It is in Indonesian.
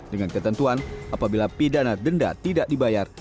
dengan ketentuan apabila pidana denda tidak dibayar